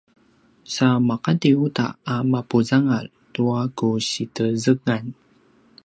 sa maqati uta a mapuzangal tua ku si tezengan